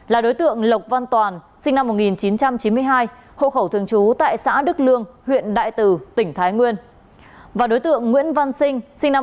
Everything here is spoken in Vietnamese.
là đối tượng lộc văn toàn sinh năm một nghìn chín trăm chín mươi hai hộ khẩu thường trú tại xã đức lương huyện đại từ tỉnh thái nguyên